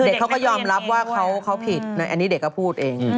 เด็กเขาก็ยอมรับว่าเขาผิดอันนี้เด็กก็พูดเอง